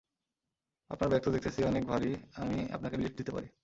আপনার ব্যাগ তো দেখতেছি অনেক ভারী আমি আপনাকে লিফট দিতে পারি।